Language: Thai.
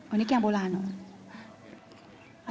อันนี้แกงโบราณเหรอ